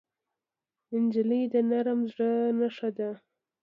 نجلۍ د نرم زړه نښه ده.